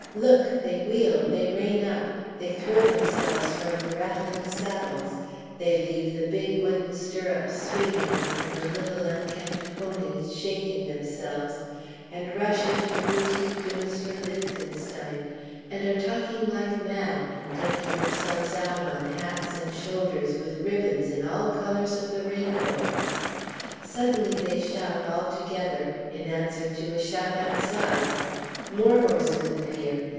Look! they wheel, they rein up, they throw themselves from the rattling saddles; they leave the big wooden stirrups swinging and the little unkempt ponies shaking themselves, and rush into the boutique de Monsieur Lichtenstein, and are talking like mad and decking themselves out on hats and shoulders with ribbons in all colors of the rainbow! Suddenly they shout, all together, in answer to a shout outside. More horsemen appear.